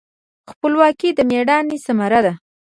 خپلواکي د میړانې ثمره ده.